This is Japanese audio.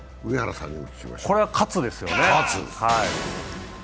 これは喝ですよね。